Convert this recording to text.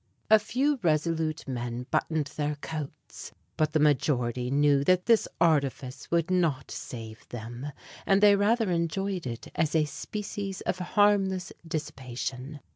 A few resolute men buttoned their coats, but the majority knew that this artifice would not save them, and they rather enjoyed it as a species of harmless dissipation.